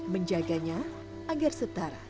menjaganya agar setara